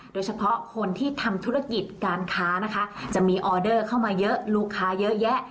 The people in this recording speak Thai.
โดยเฉพาะคนที่ทำธุรกิจการค้านะคะจะมีออเดอร์เข้ามาเยอะลูกค้าเยอะแยะ